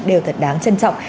đều thật đáng trân trọng